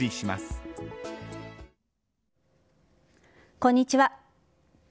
こんにちは。